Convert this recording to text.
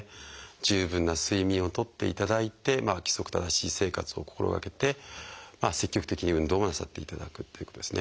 十分な睡眠をとっていただいて規則正しい生活を心がけて積極的に運動もなさっていただくということですね。